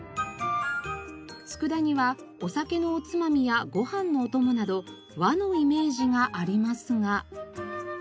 佃煮はお酒のおつまみやご飯のお供など和のイメージがありますが。